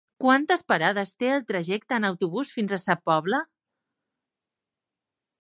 Quantes parades té el trajecte en autobús fins a Sa Pobla?